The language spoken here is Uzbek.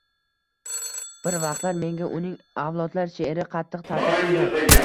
Bir vaqtlar menga uning avlodlar she’ri qattiq ta’sir qilgan.